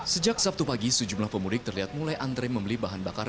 sejak sabtu pagi sejumlah pemudik terlihat mulai antre membeli bahan bakar